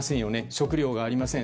食料がありません。